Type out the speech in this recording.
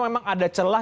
atau memang ada celah